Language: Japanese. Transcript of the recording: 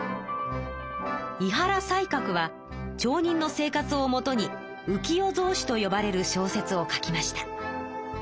井原西鶴は町人の生活をもとに「浮世草子」とよばれる小説を書きました。